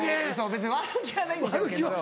別に悪気はないんでしょうけど。